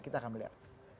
kita akan melihat